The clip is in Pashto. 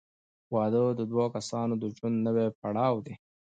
• واده د دوه کسانو د ژوند نوی پړاو دی.